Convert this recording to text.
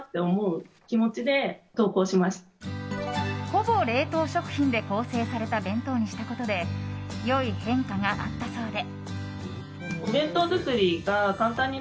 ほぼ冷凍食品で構成された弁当にしたことで良い変化があったそうで。